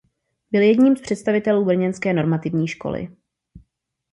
Byl jedním z představitelů brněnské normativní školy.